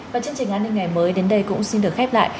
và chương trình an ninh ngày mới đến đây cũng xin được khép lại